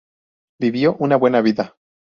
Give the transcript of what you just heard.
Vivió una buena vida.